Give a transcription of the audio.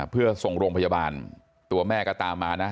เพื่อส่งโรงพยาบาลตัวแม่ก็ตามมานะ